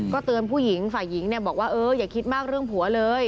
เตือนผู้หญิงฝ่ายหญิงเนี่ยบอกว่าเอออย่าคิดมากเรื่องผัวเลย